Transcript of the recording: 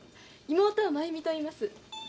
妹は真弓といいます。